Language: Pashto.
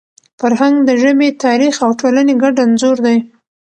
فرهنګ د ژبي، تاریخ او ټولني ګډ انځور دی.